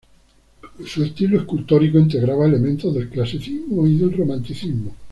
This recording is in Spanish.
Su estilo escultórico integraba elementos del clasicismo y del romanticismo.